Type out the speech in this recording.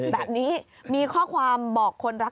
แบบนี้มีข้อความบอกคนรัก